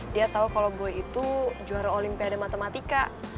dia tau kalau boy itu juara olimpiade matematika